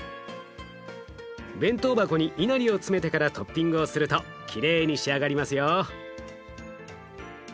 弁当箱にいなりを詰めてからトッピングをするときれいに仕上がりますよ。